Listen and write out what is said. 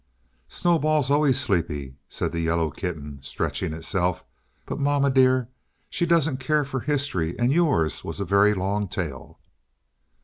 "Snowball's always sleepy," said the yellow kitten, stretching itself. "But, mamma dear, she doesn't care for history, and yours was a very long tale."